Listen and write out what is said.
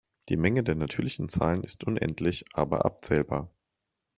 Die Menge der natürlichen Zahlen ist unendlich aber abzählbar.